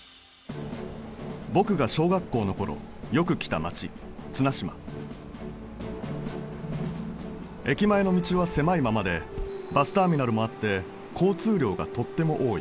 僕が小学校の頃よく来た街綱島駅前の道は狭いままでバスターミナルもあって交通量がとっても多い。